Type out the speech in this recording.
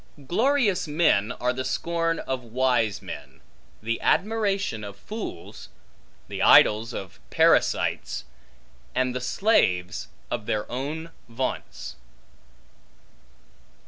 Glorious men are the scorn of wise men, the admiration of fools, the idols of parasites, and the slaves of their own vaunts.